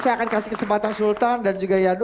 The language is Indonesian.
saya akan kasih kesempatan sultan dan yandu